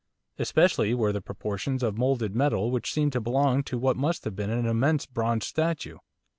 Especially were there portions of moulded metal which seemed to belong to what must have been an immense bronze statue.